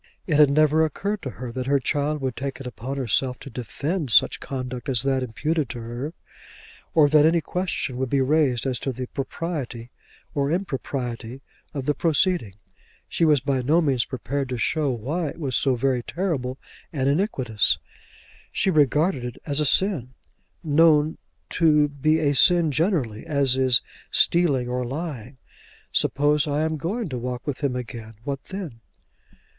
It had never occurred to her that her child would take upon herself to defend such conduct as that imputed to her, or that any question would be raised as to the propriety or impropriety of the proceeding. She was by no means prepared to show why it was so very terrible and iniquitous. She regarded it as a sin, known to be a sin generally, as is stealing or lying. "Suppose I am going to walk with him again? what then?"